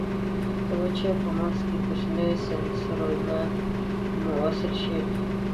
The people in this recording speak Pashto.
د مچیو په مغزو کې کوچني سېنسرونه وصل شول.